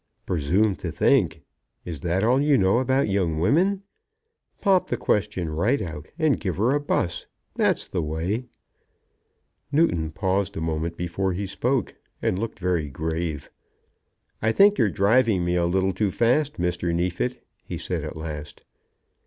"Presume to think! Is that all you know about young women? Pop the question right out, and give her a buss. That's the way." Newton paused a moment before he spoke, and looked very grave. "I think you're driving me a little too fast, Mr. Neefit," he said at last.